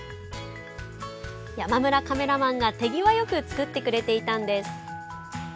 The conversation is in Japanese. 山村カメラマンが手際よく作ってくれていたんです。